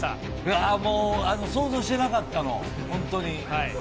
もう、想像してなかったもん、本当に。